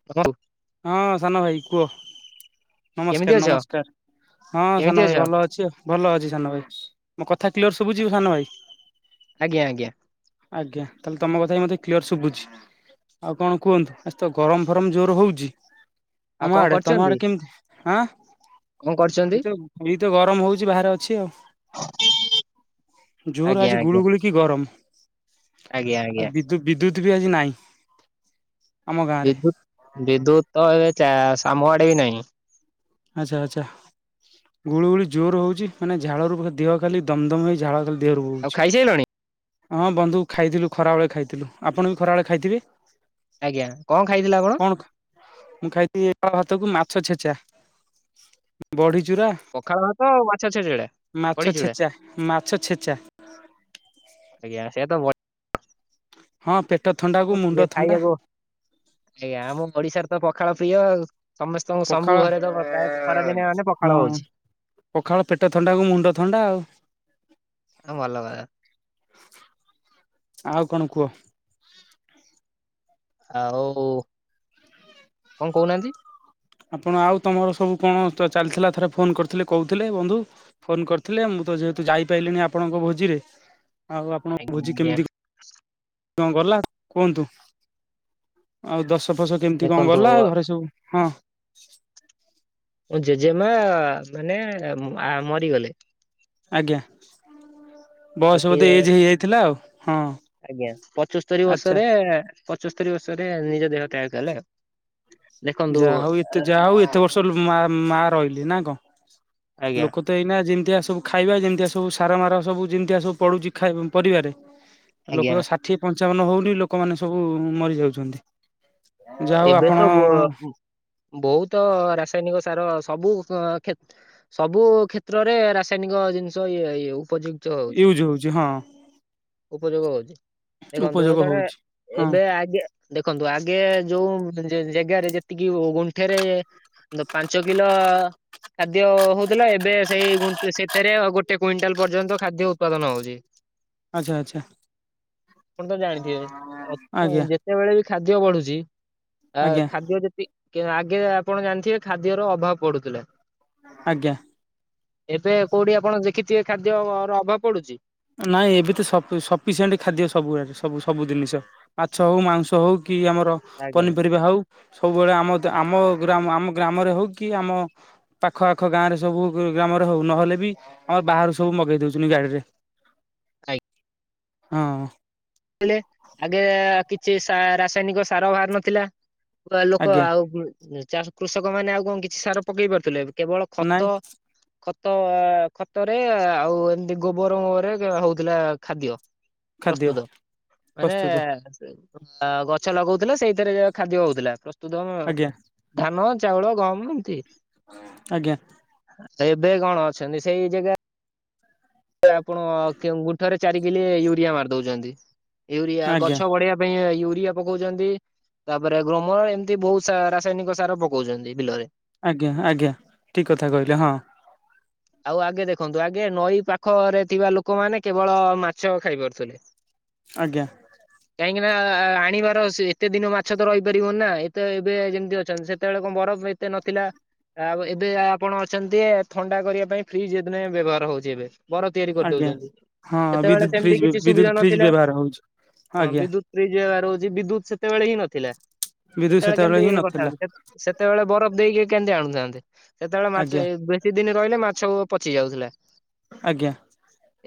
[inaudible] ହଁ ସାନ ଭାଇ କୁହ। କେମିତି ନମସ୍କାର ଅଛ ନମସ୍କାର ହଁ କେମିତି ସାନ ଅଛ ଭାଇ ଭଲ ଅଛି ଆଉ। ଭଲ ଅଛି ସାନ ଭାଇ ମୋ କଥା କ୍ଲିଅର ଶୁବୁଝି ସାନ ଭାଇ। ଆଜ୍ଞା ଆଜ୍ଞା। ଆଜ୍ଞା ତାହେଲେ ତମ କଥା ହଁ ମତେ କ୍ଲିୟର ଶୁଭୁଛି। ଆଉ କଣ କୁହନ୍ତୁ ଆଜି ତ ଗରମ ଫରମ ଜୋର ହଉଛି ଆଉ ଆମ କଣ ଆଡେ ତମ କରୁଛନ୍ତି ଆଡେ କେମତି? ଆଁ କଣ କରୁଛନ୍ତି? ଏଇତ ଏଇ ତ ଗରମ ହଉଛି ବାହାରେ ଅଛି ଆଉ। ଜୋର ଆଜ୍ଞା ଆଜି ଆଜ୍ଞା ଗୁଳୁଗୁଳି। କି ଗରମ ଆଜ୍ଞା ଆଉ ଆଜ୍ଞା ବିଦ୍ୟୁ ବିଦ୍ୟୁତ ବି ଆଜି ନାଇଁ। ବିଦ୍ୟୁତ ବିଦ୍ୟୁତ ତ ଏବେ ସାମ ଆଡେ ବି ନାହିଁ। ଆଚ୍ଛା ଆଚ୍ଛା। ଗୁଲୁଗୁଳି ଜୋର ହଉଛି ମାନେ ଝାଳ ରୁ ଦେହ ଖାଲି ଦମ ଦମ ହେଇ ଝାଳ ଖାଲି ଦେହରୁ ଆଉ ବଉଛି। ଖାଇସାରିଲଣି ହଁ ବନ୍ଧୁ ଖାଇଥିଲୁ ଖରାବେଳେ ଖାଇଥିଲୁ ଆପଣ ବି ଖରାବେଳେ ଖାଇଥିବେ। ଆଜ୍ଞା କଣ ଖାଇଥିଲା ଆପଣ? କଣ ମୁଁ ଖାଇଥିଲି ପଖାଳ ଭାତକୁ ମାଛ ଛେଚା ବଢ଼ି ଚୂୁରା ପଖାଳ ଭାତ ଆଉ ମାଛ ଚେଚେଡା ବଡି ଚୁଡା ଛେଚା ମାଛ ଛେଚା ଆଜ୍ଞା ସେ ତ ହଁ ପେଟ ବଢିଆ ଥଣ୍ଡାକୁ ଲାଗେ ମୁଣ୍ଡ ଥଣ୍ଡା। ଖାଇବାକୁ ଆଜ୍ଞା ଆମ ଓଡିଶାରେ ତ ପଖାଳ ପ୍ରିୟ ଆଉ ସମସ୍ତଙ୍କୁ ପଖାଳ ସବୁ ଘରେ ତ ପ୍ରାୟତ ଖରା ଦିନେ ମାନେ ହଁ ପଖାଳ ହଉଛି। ପଖାଳ ପେଟ ଥଣ୍ଡା ଆଉ ମୁଣ୍ଡ ଥଣ୍ଡା ଆଉ। ଭଲ କ ଆଉ କଣ କୁହ? ଆଉ କଣ କହୁନାହାନ୍ତି? ଆପଣ ଆଉ ତମର ସବୁ କଣ ଚାଲିଥିଲା ଥରେ ଫୋନ କରିଥିଲେ କହୁଥିଲେ ବନ୍ଧୁ। ଫୋନ କରିଥିଲେ ମୁଁ ତ ଯେହେତୁ ଯାଇପାରଲିିନି ଆପଣଙ୍କ ଭୋଜିରେ ଆଉ ଆପଣଙ୍କ ଆଜ୍ଞା ଭୋଜି ଆଜ୍ଞା କେମିତି? କଣ ଗଲା କୁହନ୍ତୁ? ଆଉ ଦଶ ଫସ କେମିତି କଣ ଦେଖନ୍ତୁ ଗଲା ଘରେ ସବୁ ହଁ? ଜେଜେମା ମାନେ ମରିଗଲେ। ଆଜ୍ଞା ଆଉ ବସ କିଏ ବୋଧେ ଏଜ ହେଇଯାଇଥିଲା ଆଉ ହଁ ଆଜ୍ଞା ପଞ୍ଚସ୍ତରୀ ଆଚ୍ଛା ବର୍ଷରେ ପଞ୍ଚସ୍ତରୀ ବର୍ଷରେ ନିଜ ଦେହ ତ୍ୟାଗ କଲେ ଆଉ ଦେଖନ୍ତୁ ଯାହା ହଉ ଏତେ ଯାହା ହଉ ଏତେ ବର୍ଷ ମା ମା ରହିଲି ନା କଣ ଆଜ୍ଞା ଲୋକ? ଏଇନା ଯେମିତିଆ ସବୁ ଖାଇବା ଯେମିତିଆ ସବୁ ସାର ମାର ସବୁ ଯେମିତିଆ ସବୁ ପଡୁଛି ପରିବାରେ ଆଜ୍ଞା ଲୋକ ତ ଷାଠିଏ ପଞ୍ଚାବନ ହଉନି ଲୋକମାନେ ସବୁ ମରିଯାଉଛନ୍ତି। ଯାହା ହଉ ଏବେ ଆପଣ। ତ ବୋ ବହୁତ ରାସାୟନିକ ସାର ସବୁ କ୍ଷ ସବୁ କ୍ଷେତ୍ରରେ ରାସାୟନିକ ଜିନିଷ ଇଏ ଉପଯୁ୍କ ଉଚ୍ଚ ହଉଛି ୟୁଜ ହଁ ଉପଯୋଗ ହଉଛି। ଦେଖନ୍ତୁ ଆଉ ଉପଯୋଗ ଜଣେ ହଉଛି। ହଁ ଏବେ ଆଗେ ଦେଖନ୍ତୁ ଆଗେ ଯୋଉ ଜାଗାରେ ଯେତିକି ଗୁଣ୍ଠେରେ ପାଞ୍ଚ କିଲୋ। ଖାଦ୍ୟ ହଉଥିଲା ଏବେ ସେଇ ସେଥିରେଉ ଗୋଟେ କୁଇଣ୍ଟାଲ ପର୍ଯ୍ୟନ୍ତ ଖାଦ୍ୟ ଉତ୍ପାଦନ ହଉଛି। ଆଚ୍ଛା ଆଚ୍ଛା। ଆପଣ ତ ଜାଣିଥିବେ ଆଜ୍ଞା ଯେତେବେଳେ ବି ଖାଦ୍ୟ ବଢୁଛି ଆ ଆଜ୍ଞା ଖାଦ୍ୟ ଯେତିି ଆଗେ ଆପଣ ଜାଣିଥିବେ ଖାଦ୍ୟର ଅଭାବ ପଢୁଥିଲା। ଆଜ୍ଞା ଏବେ କୋଉଠି ଆପଣ ଦେଖିଥିବେ ଖାଦ୍ୟ ର ଅଭାବ ପଡୁଛି। ନାଇଁ ଏବେ ତ ସ ସଫିସିଏଣ୍ଟ ଖାଦ୍ୟ ସବୁୁଡ ସବୁ ସବୁ ଜିନିଷ ମାଛ ହଉ ମାଉଂସ ହଉ କି ଆମର ଆଜ୍ଞା। ପନିପରିବା ହଉ ସବୁବେଳେ ଆମ ଆମ ଗ୍ରାମ ଆମ ଗ୍ରାମରେ ହଉ କି ଆମ ପାଖ ଆଖ ଗାଁ ରେ ସବୁ ଗ୍ରାମରେ ହଉ ନହେଲେ ବି ଆମର ବାହାରୁ ସବୁ ମଗେଇ ଦଉଛନ୍ତିି ଗାଡିରେ ଆଜ୍ଞା ହଁ ଆଗେ କିଛି ରାସାୟନିକ ସାର ବାହାର ନଥିଲା ଲୋକ ଆଜ୍ଞା ଆଉ କୃଷକ ମାନେ ଆଉ କଣ କିଛି ସାର ପକେଇ ପାରୁଥିଲେ କେବଳ ନାଇଁ ଖତ ଖତ ଖତରେ ଆଉ ଏମତି ଗୋବରୋବରେ ହଉଥିଲା ଖାଦ୍ୟ ଖାଦ୍ୟ ପ୍ରସ୍ତୁତ ମାନେ ପ୍ରସ୍ତୁତ ଗଛ ଲଗଉଥିଲା ସେଇଥିରେ ଖାଦ୍ୟ ହଉଥିଲା ପ୍ରସ୍ତୁତ ହ ଆଜ୍ଞା ଧାନ ଚାଉଳ ଗହମ ଏମିତି ଆଜ୍ଞା। ଏବେ କଣ ଅଛନ୍ତି ସେଇ ଜାଗା ଆପଣ ଗୁଣ୍ଠରେ ଚାରି କିଲି ୟୁରିଆ ମାରିଦଉଛନ୍ତି ୟୁରିଆ ଆଜ୍ଞା ଗଛ ବଢେଇବା ପାଇଁ ୟୁରିଆ ପକଉଛନ୍ତି। ତାପରେ ଗ୍ରୋମର ଏମିତି ବହୁତ ସାରା ରାସାୟନିକ ସାର ପକଉଛନ୍ତି ବିଲରେ। ଆଜ୍ଞା ଆଜ୍ଞା ଠିକ୍ କଥା କହିଲେ ହଁ। ଆଉ ଆଗେ ଦେଖନ୍ତୁ ଆଗେ ନଈ ପାଖରେ ଥିବା ଲୋକମାନେ କେବଳ ମାଛ ଖାଇପାରୁଥିଲେ। ଆଜ୍ଞା। କାହିଁକି ନା ଆ ଆଣିବାର ଏତେ ଦିନ ମାଛ ତ ରହିପାରିବନି ନା ଏତ ଏବେ ଯେମିତି ଅଛନ୍ତି ସେତେବେଳେ କଣ ବରଫ ଏତେ ନଥିଲା। ଆ ଏବେ ଆପଣ ଅଛନ୍ତି ଥଣ୍ଡା କରିବା ପାଇଁ ଫ୍ରିଜ୍ ଏଦିନ ବ୍ୟବହାର ହଉଛି ଏବେ। ବର ତିଆରି ଆଜ୍ଞା କରିଦଉଛନ୍ତି ସେତେବେଳେ ସେମିତି କିଛି ସୁବିଧା ନଥିଲା। ଆର ହଉଛି। ହଁ ଆଜ୍ଞା ବିଦ୍ୟୁତ ଫ୍ରିଜ ବେବ୍ୟହାର ହୁଛି ବିଦ୍ୟୁତ ସେତେବେଳେ ହିଁ ନଥିଲା। ବିଦ୍ୟୁତ କେତେବେଳେ ସେତେବେଳେ କେମିତି ହିଁ ନଥିଲା କରିଥାନ୍ତି। ସେତେବେଳେ ବରଫ ଦେଇକି କେମିତି ଆଣୁଥାନ୍ତି ସେତେବେଳେ ଆଜ୍ଞା ମାଛ ଯେତିକି ଦିନ ରହିଲେ ମାଛ ପଚି ଯାଉଥିଲା। ଆଜ୍ଞା।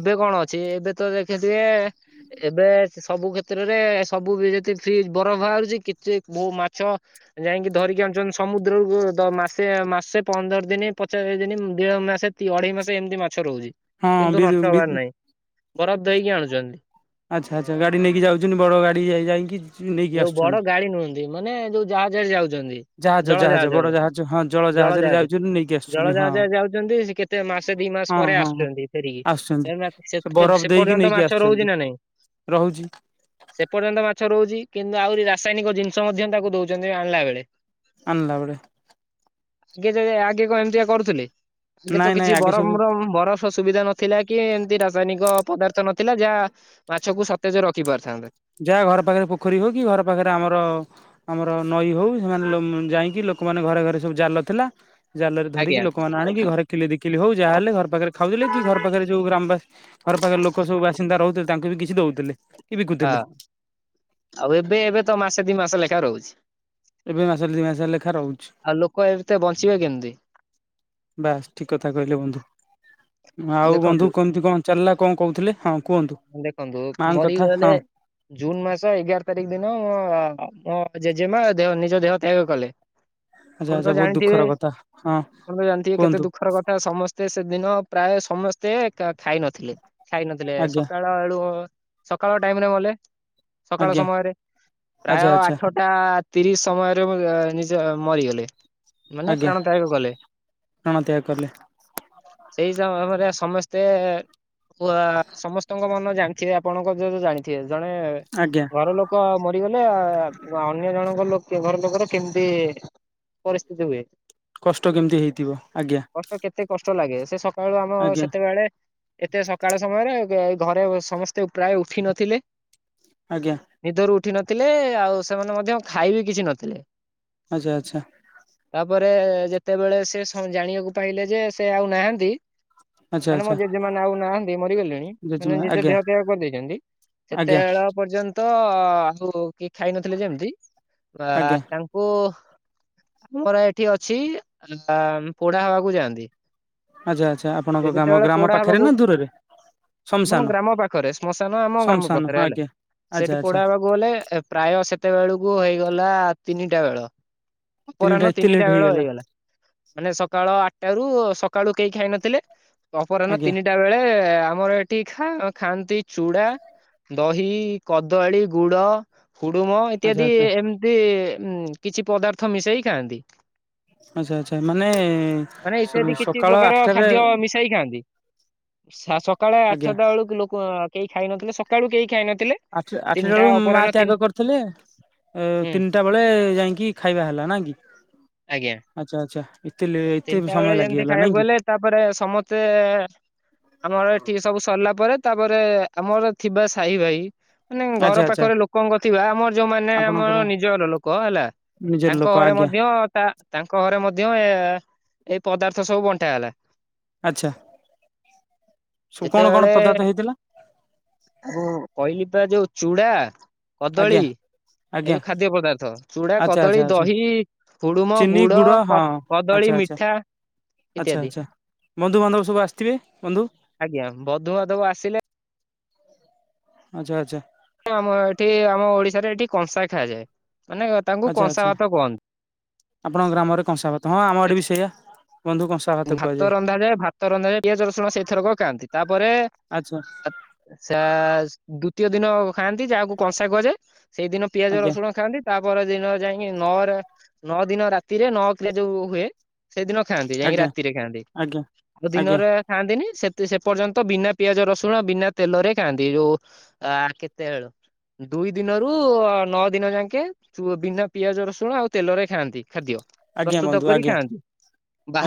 ଏବେ କଣ ଅଛି ଏବେ ତ ଦେଖିଥିବେ ଏବେ ସବୁ କ୍ଷେତ୍ରରେ ସବୁ ବି ଯଦି ଫ୍ରିଜ ବରଫ ବାହାରୁଛି କିଛି ବୋଉ ମାଛ ଯାଇକି ଧରିକି ଆଣୁଛନ୍ତି ସମୁଦ୍ରକୁ ମାସେ, ମାସେ, ପନ୍ଦର ଦିନ, ପଚାଶ ଦିନ, ଦେଢ଼ ମାସେ କି ଅଢେଇ ମାସ ଏମିତି ମାଛ ରହୁଛି, ହଁ ବି କିନ୍ତୁ ନଷ୍ଟ ବି ହବାର ନାହିଁ ବରଫ ଦେଇକି ଆଣୁଛନ୍ତି। ଆଚ୍ଛା ଆଚ୍ଛା ଗାଡ଼ି ନେଇକି ଯାଉଛନ୍ତି ବଡ଼ ଗାଡ଼ି ଯାଇ ଯାଇକି ନେଇକି ଯୋଉ ବଡ ଆସୁଛନ୍ତି ଗାଡି ନୁହଁନ୍ତି ମାନେ ଯୋଉ ଜାହାଜରେ ଯାଉଛନ୍ତି। ଜାହାଜ ଜାହାଜ ବଡ ଜଳଜାହାଜରେ ଜାହାଜ ହଁ ଜଳ ଜାହାଜରେ ଯାଉଛନ୍ତି ନେଇକି ଜଳ ଆସୁଛନ୍ତି ହଁ ଜାହାଜରେ ଯାଉଛନ୍ତି ସେ କେ ଏତେ ମାସେ ଦି ମାସ ହଁ ପରେ ହଁ ହଁ ଆସୁଛନ୍ତି ଆସୁଛନ୍ତି ଫେରିକି ବରଫ ସେ ଦେଇକି ପର୍ଯ୍ୟନ୍ତ ନେଇକି ମାଛ ଆସୁଛନ୍ତି ରହୁଛି ନା ନାଇଁ। ରହୁଛି। ସେ ପର୍ଯ୍ୟନ୍ତ ମାଛ ରହୁଛି କିନ୍ତୁ ଆହୁରି ରାସାୟନିକ ଜିନିଷ ମଧ୍ୟ ତାକୁ ଦଉଛନ୍ତି ଆଣିଲା ବେଳେ। ଆିଲାବଡ [unintelligible] ଆଗେ ଆଗେ କଣ ଏମିତିଆ କରୁଥିଲ ଆଗେ ତ ନାଇଁ ନାଇଁ କିଛି ଆଗେ ସବୁ ବରମର ବରଫ ବ ସୁବିଧା ନଥିଲା କି ଏମିତି ରାସାୟନିକ ପଦାର୍ଥ ନଥିଲା ଯାହା ମାଛକୁ ସତେଜ ରଖି ପାରଥାନ୍ତେ। ଯାହା ଘର ପାଖରେ ପୋଖରୀ ହଉ କି ଘର ପାଖରେ ଆମର ଆମର ନଈ ହଉ ସେମାନେ ଉମ୍ ଯାଇକି ଲୋକମାନେ ଘରେ ଘରେ ସବୁ ଜାଲ ଥିଲା ଜାଲରେ ଧରିକି ଆଜ୍ଞା ଲୋକମାନେ ଆଣିକି ଘରେ କିଲେ ଦି କିଲେ ହଉ ଯାହାହେଲେ ଘର ପାଖରେ ଖାଉଥିଲେ କି ଘର ପାଖେରେ ଯୋଉ ଗ୍ରାମବାସି ଘର ପାଖରେ ଲୋକ ସବୁ ବାସିନ୍ଦା ରହୁଥିଲେ ତାଙ୍କୁ ବି କିଛି ଦଉଥିଲେ। କି ବିକୁଥିଲେ। ହଁ ଆଉ ଏବେ ଏବେ ତ ମାସେ ଦି ମାସେ ଲେଖା ରହୁଚି। ଏବେ ମାସ ଦି ମାସ ଲେଖା ରହୁଛି। ଆଉ ଲୋକ ଏତେ ବଞ୍ଚିବେ କେମତି? ବାସ୍ ଠିକ୍ କଥା କହିଲେ ବନ୍ଧୁ। ଆଉ ବନ୍ଧୁ ଦେଖନ୍ତୁ। କେମତି କଣ ଚାଲିଲା କଣ କହୁଥିଲେ ହଁ କୁହନ୍ତୁ ମାଙ୍କ କଥା ହଁ। ଜୁନ୍ ମାସ ଏଗାର ତାରିଖ ଦିନ ମୋ ଆପଣ ଜେଜେମା ଦେହ ନିଜ ଦେହ ତ୍ୟାଗ କଲେ। ଆଚ୍ଛା ପଣ ଆଚ୍ଛା ତ ବହୁତ ଜାଣିଥିବେ ଦୁଃଖର କଥା ହଁ ଆପଣ ତ ଜାଣିଥିବେ କେତେ କୁହନ୍ତୁ ଦୁଃଖର କଥା ସମ ତେ ସେଦିନ ପ୍ରାୟ ସମସ୍ତେ ଖାଇ ନଥିଲେ ଖାଇ ନଥିଲେ ଆଜ୍ଞା ସକାଳେ ଆଳୁ ସକାଳ ଟାଇମରେ ମଲେ ସକାଳ ଆଜ୍ଞା ସମୟରେ ପ୍ରାୟ ଆଚ୍ଛା ଆଚ୍ଛା ଆଠ ଟା ତିରିଶ ସମୟରେ ନିଜେ ମରିଗଲେ ମାନେ ପ୍ରାଣତ୍ୟାଗ କଲେ। ପ୍ରାଣତ୍ୟାଗ କଲେ। ସେହି ସମୟରେ ସମସ୍ତେ ପୁ ଆ ସମସ୍ତଙ୍କ ମନ ଜାଣିଥିବେ ଆପଣଙ୍କ ତ ଜାଣିଥିବେ ଜଣେ ଆଜ୍ଞା। ଘର ଲୋକ ମରିଗଲେ ଅନ୍ୟ ଜଣଙ୍କ ଲୋକ ଘର ଲୋକର କେମତି ପରିସ୍ଥିତି ହୁଏ। କଷ୍ଟ କେମିତି ହେଇଥିବ ଆଜ୍ଞା। କଷ୍ଟ କେତେ କଷ୍ଟ ଲାଗେ ସେ ସକାଳୁ ଆମ ଆଜ୍ଞା ସେତେବେଳେ ଏତେ ସକାଳ ସମୟରେ ଘରେ ସମସ୍ତେ ପ୍ରାୟ ଉଠିନଥିଲେ। ଆଜ୍ଞା। ନିଦରୁ ଉଠି ନଥିଲେ ଆଉ ସେମାନେ ମଧ୍ୟ ଖାଇ ବିି କିଛି ନଥିଲେ। ଆଚ୍ଛା ଆଚ୍ଛା। ତାପରେ ଯେତେବେଳେ ସେ ସ ଜାଣିଆକୁ ପାଇଲେ ଯେ ସେ ଆଉ ନାହାଁନ୍ତି ଆଚ୍ଛା ମାନେ ମୋ ଆଚ୍ଛା ଜେଜେ ମାନେ ଆଉ ନାହାଁନ୍ତି ମରିଗଲେଣି ମାନେ ଜେଜେମା ଜେଜେ ଆଜ୍ଞା ଦେହ ତ୍ୟାଗ କରିଦେଇଛନ୍ତି ଆଜ୍ଞା ସେତେବେଳ ପର୍ଯ୍ୟନ୍ତ ଆଉ କିଏ ଖାଇ ନଥିଲେ ଯେମତି ଆ ଆଜ୍ଞା ତା ଓ ଆମର ଏଠି ଅଛି ପୋଡା ହବାକୁ ଯାଆନ୍ତି। ଆଚ୍ଛା ଆଚ୍ଛା ସେ ଆପଣଙ୍କ ଗ୍ରାମ ଯେତେବେଳେ ଗ୍ରାମ ପୋଢା ପାଖେରେ ହବାକୁ ନା ଦୂରରେ? ଆମ ଶମଶାନ ଗ୍ରାମ ପାଖରେ ଶ୍ମଶାନ ଆମ ଗ୍ରାମ ଶମଶାନ ପାଖରେ ହଁ ହେଲା। ଆଜ୍ଞା ଆଚ୍ଛା ସେଠି ଆଚ୍ଛା ପୋଡା ହବାକୁ ଗଲେ ପ୍ରାୟ ସେତେବେକୁ ହେଇଗଲା ତିନିଟା ବେଳ। ଅପରାହ୍ନ ତିନିଟା ବେଳ ହେଇଗଲା। ମାନେ ସକାଳ ଆଠଟାରୁ ସକାଳୁ କେହି ଖାଇ ନଥିଲେ ଅପରାହ୍ନ ଆଜ୍ଞା ତିନିଟା ବେଳେ ଆମର ଏ ଟି ଖା ଖାଆନ୍ତି ଚୁଡ଼ା, ଦହି, କଦଳୀ, ଗୁଡ଼ ହୁଡୁମ ଆଚ୍ଛା ଇତ୍ୟାଦି ଆଚ୍ଛା ଏମତି କିଛି ପଦାର୍ଥ ମିଶେଇ ଖାଆନ୍ତି। ଆଚ୍ଛା ଆଚ୍ଛା ମାନେ ମାନେ ଇତ୍ୟାଦି କିଛି ସକାଳ ପ୍ରକାର ଆଠଟାରେ ଖାଦ୍ୟ ମିଶାଇ ଖାଆନ୍ତି। ସ ସକାଳେ ଆଜ୍ଞା ଆଠଟା ବେଳକୁ ଲୋକ କେହି ଖାଇନଥିଲେ ସକାଳୁ କେହି ଖାଇନଥିଲେ ଆଠ ଆଠଟା ତିନିଟା ବେଳୁକୁ ମା ଅପରାହ୍ନ ତିନି ତ୍ୟାଗ କରିଥିଲେ ଉଁ ହୁଁ ତିନି ଟା ବେଳେ ଯାଇଙ୍କି ଖାଇବା ହେଲା ନା କି? ଆଜ୍ଞା। ଆଚ୍ଛା ଆଚ୍ଛା ଏତେ ଲେ ଏତେ ତିନିଟା ବେଳେ ସମୟ ଯେମିତି ଲାଗିଗଲା ନାଇଁ ଖାଇବାକୁ କି ଗଲେ ତାପରେ ସମତେ ଆମର ଏଠି ସବୁ ସରିଲାପରେ ତାପରେ ଆମର ଥିବା ସାହି ଭାଇ ମାନେ ଘର ଆଚ୍ଛା ଆଚ୍ଛା ପାଖରେ ଲୋକଙ୍କ ଥିବା ଆମର ଯୋଉମାନେ ଆପଣଙ୍କର ଆମର ନିଜର ଲୋକ ହେଲା ନିଜର ଲୋକ ତାଙ୍କ ଘରେ ଆଜ୍ଞା ମଧ୍ୟ ତା ତାଙ୍କ ଘରେ ମଧ୍ୟ ଏ ଏ ପଦାର୍ଥ ସବୁ ବଣ୍ଟା ଗଲା। ଆଚ୍ଛା ସବୁ କଣ କଣ ଯେତେବେଳେ ପଦାର୍ଥ ହେଇଥିଲା? ମୁଁ କହିଲି ପା ଯୋଉ ଚୁଡା, ଆଜ୍ଞା କଦଳୀ ଏଇ ଆଜ୍ଞା ଯୋଉ ଖାଦ୍ୟ ପଦାର୍ଥ ଚୁଡା, ଆଚ୍ଛା ଆଚ୍ଛା କଦଳୀ, ଆଚ୍ଛା ଦହି, ହୁଡୁମ, ଚିନି ଗୁଡ ହଁ କଦଳୀ ଆଚ୍ଛା ଆଚ୍ଛା ମିଠା ଆଚ୍ଛା ଇତ୍ୟାଦି ଆଚ୍ଛା ବନ୍ଧୁବାନ୍ଧବ ସବୁ ଆସିଥିବେ ବନ୍ଧୁ? ଆଜ୍ଞା ବନ୍ଧୁବାନ୍ଧବ ଆସିଲେ। ଆଚ୍ଛା ଆଛା। ଆମ ଏଠି ଆମ ଓଡିଶାରେ ଏଠି କଂସା ଖାଆଯାଏ ମାନେ ତାଙ୍କୁ ଆଚ୍ଛା କଂସା ଆଚ୍ଛା ଭାତ କୁହନ୍ତି। ଆପଣଙ୍କ ଗ୍ରାମରେ କଂସାପାତ ହଁ ଆମ ଆଡେ ବି ସେଇଆ ବନ୍ଧୁ କଂସା ଭାତ ରନ୍ଧାଯାଏ ଭାତ ରନ୍ଧାରେ ପିଆଜ ରସୁଣ ସେଇଥରକ ଖାଆନ୍ତି ତାପରେ ଆଚ୍ଛା ସେ ଦ୍ଵିତୀୟ ଦିନ ଖାଆନ୍ତି ଯାହାକୁ କଂସା କୁହାଯାଏ। ସେଇଦିନ ପିଆଜ ଆଜ୍ଞା ରସୁଣ ଖାଆନ୍ତି। ତା ପର ଦିନ ଯାଇକି ନଅ ନଅ ଦିନ ରାତିରେ ନଅ କି ଯୋଉ ହୁଏ ସେଇଦିନ ଖାଆନ୍ତି ଯାଇକି ଆଜ୍ଞା ରାତିରେ ଖାଆନ୍ତି ଆଜ୍ଞା ଆଉ ଆଜ୍ଞା ଦିନରେ ଖାଆନ୍ତିନି ସେ ସେ ପର୍ଯ୍ୟନ୍ତ ବିନା ପିଆଜ ରସୁଣ ଆଉ ବିନା ତେଲରେ ଖାଆନ୍ତି ଯୋଉ ଆ କେତେବେଳ ଦୁଇ ଦିନରୁ ନଅ ଦିନ ଯାକେ ବିନା ପିଆଜ ରସୁଣ ଆଉ ତେଲରେ ଖାଆନ୍ତି ଖାଦ୍ୟ। ଆଜ୍ଞା ପ୍ରସ୍ତୁତ ବନ୍ଧୁ କରି ଆଜ୍ଞା ଖାଆନ୍ତି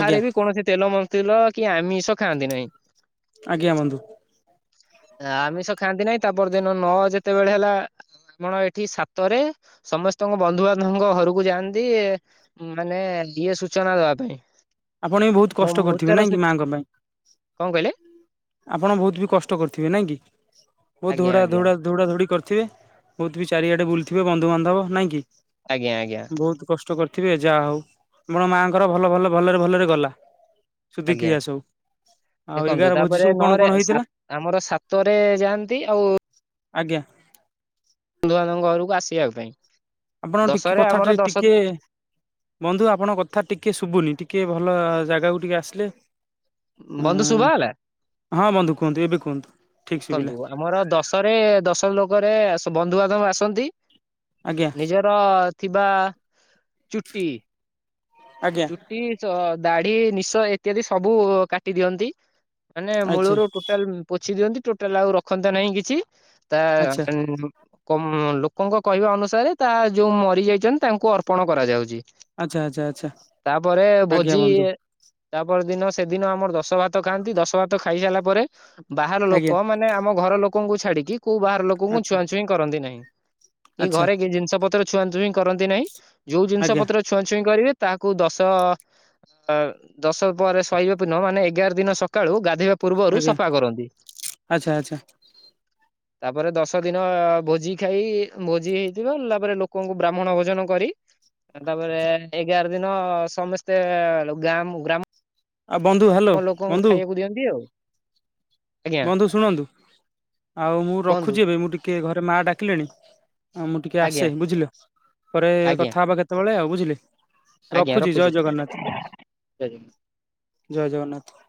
ଆଜ୍ଞା ବି କୌଣସି ତେଲ ମନ୍ତର କି ଆମିଷ ଖାଆନ୍ତି ନାହିଁ। ଆଜ୍ଞା ବନ୍ଧୁ। ଆମିଷ ଖାଆନ୍ତି ନାହିଁ ତା ପରଦିନ ନ ଯେତେବେଳେ ହେଲା ଆପଣ ଏଠି ସାତରେ ସମସ୍ତଙ୍କ ବନ୍ଧୁବାନ୍ଧବଙ୍କ ଘରକୁ ଯାଆନ୍ତି ମାନେ ଇଏ ସୂଚନା ଦବା ପାଇଁ। ଆପଣ ବି ବହୁତ ମୋ କଷ୍ଟ କରିଥିବେ ମୃତ୍ୟୁର ନାଇଁ ସୂ କି ମାଙ୍କ ପାଇଁ। କଣ କହିଲେ? ଆପଣ ବହୁତ ବି କଷ୍ଟ କରିଥିବେ ନାଇଁ କି ବହୁତ ଆଜ୍ଞା ଧୋଡା ଆଜ୍ଞା ଧୋଡା ଦୌଡା ଧୌଡି କରିଥିବେ ବହୁତ ବି ଚାରିଆଡେ ବୁଲିଥିବେ ବନ୍ଧୁବାନ୍ଧବ ନାଇଁ କି? ଆଜ୍ଞା ଆଜ୍ଞା ବହୁତ କଷ୍ଟ କରିଥିବେ ଯାହା ହଉ ଆପଣ ମାଆଙ୍କର ଭଲ ଭଲ ଭଲରେ ଭଲରେ ଗଲା, ଆଜ୍ଞା ସୁଧିକ୍ରିଆ ସବୁ। ଆଉ ଦେଖନ୍ତୁ ଏଗାର ଭୋଜି ତାପରେ ସବୁ କଣ ନଅରେ କଣ ହେଇଥିଲା? ଆମର ସାତରେ ଯାଆନ୍ତି ଆଉ ଆଜ୍ଞା। ବନ୍ଧୁବାନ୍ଧବଙ୍କ ଘରକୁ ଆସିବା ପାଇଁ। ଆପଣ ଟିକେ ଦଶରେ ଆମର କଥାଟାରେ ଦଶ ଟିକେ ବନ୍ଧୁ ଆପଣଙ୍କ କଥା ଟିକେ ଶୁଭୁନି, ଟିକେ ଭଲ ଜାଗାକୁ ଟିକେ ଆସିଲେ। ବନ୍ଧୁ ଶୁଭା ହେଲା ହଁ ବନ୍ଧୁ କୁହନ୍ତୁ ଏବେ କୁହନ୍ତୁ। ଠିକ ଦେଖନ୍ତୁ ଶୁଭିଲା। ଆମର ଦଶରେ ଦଶ ଲୋକରେ ବନ୍ଧୁବାନ୍ଧବ ଆସନ୍ତି। ଆଜ୍ଞା ନିଜର ଥିବା ଚୁଟି ଆଜ୍ଞା ଚୁଟି, ଦାଢି, ନିଶ ଇତ୍ୟାଦି ସବୁ କାଟି ଦିଅନ୍ତି। ମାନେ ଆଚ୍ଛା ମୂଳରୁ ଟୋଟାଲ ପୋଛି ଦିଅନ୍ତି, ଟୋଟାଲ ଆଉ ରଖନ୍ତାନେଇ କିଛି। ତା ଆଚ୍ଛା ଉଁ ଲୋକଙ୍କ କହିବା ଅନୁସାରେ, ତା ଯୋଉ ମରିଯାଇଛନ୍ତି ତାଙ୍କୁ ଅର୍ପଣ କରାଯାଉଛି। ଆଚ୍ଛା ଆଚ୍ଛା ଆଚ୍ଛା। ତାପରେ ଆଜ୍ଞା ଭୋଜି ବନ୍ଧୁ ତାପର ଦିନ ସେଦିନ ଆମର ଦଶ ଭାତ ଖାଆନ୍ତି, ଦଶ ଭାତ ଖାଇ ସାରିଲା ପରେ ବାହାର ଲୋକ ଆଜ୍ଞା ମା ମାନେ ଆମ ଘର ଲୋକଙ୍କୁ ଛାଡିକି, କୋଉ ବାହାର ଲୋକଙ୍କୁ ଆଚ୍ଛା ଛୁଆଁ ଛୁଇଁ କରନ୍ତି ନାହିଁ। ଏଇ ଆଚ୍ଛା ଘରେ ଜିନିଷ ପତ୍ର ଛୁଆ ଛୁଇଁ କରନ୍ତି ନାହିଁ, ଯୋଉ ଜିନିଷ ଆଜ୍ଞା ପତ୍ର ଛୁଆଁଛୁଇଁ କରିବେ ତାଙ୍କୁ ଦଶ ଦଶ ପର [unintelligible] ମାନେ ଏଗାର ଦିନ ସକାଳୁ ଗାଧେଇବା ପୂର୍ବରୁ ଆଜ୍ଞା ସଫା କରନ୍ତି। ଆଚ୍ଛା ଆଚ୍ଛା ତାପରେ ଦଶ ଦିନ ଭୋଜି ଖାଇ ଭୋଜି ହେଇଥିବ, ତା ପରେ ଲୋକଙ୍କୁ ବ୍ରାହ୍ମଣ ଭୋଜନ କରି ତାପରେ ଏଗାର ଦିନ ସମସ୍ତେ ଗାଁ ଆଉ ବନ୍ଧୁ ହ୍ୟାଲୋ ଗ୍ରାମ ଲୋକଙ୍କୁ ବନ୍ଧୁ ଖାଇଆକୁ ଦିଅନ୍ତି ଆଉ। ଆଜ୍ଞା ବନ୍ଧୁ ଶୁଣନ୍ତୁ ଆଉ ମୁଁ କୁହନ୍ତୁ ରଖୁଛି ଏବେ, ମୁଁ ଟିକେ ଘରେ ମା ଡାକିଲେଣି। ହଁ- ମୁଁ ଟିକେ ଆଜ୍ଞା ଆସେ ବୁଝିଲ, ପରେ ଆଜ୍ଞା କଥା ହବା କେତେବେଳେ ଆଉ ବୁଝିଲେ। ରଖୁଛି ଜୟ ଜଗନ୍ନାଥ ଜୟ ଜଗନ୍ନାଥ।